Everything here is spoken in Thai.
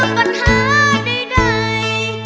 เมื่อเจอกันหาใด